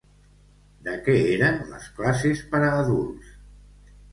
De què eren les classes per a adults?